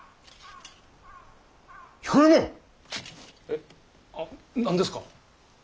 えあっ何ですか？